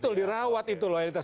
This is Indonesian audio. betul dirawat itu loyalitas